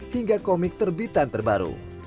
hingga komik terbitan terbaru